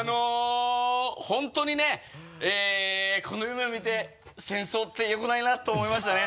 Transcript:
本当にねこの夢を見て「戦争ってよくないな」と思いましたね。